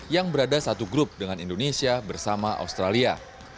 yang berada satu grup dengan indonesia bersama australia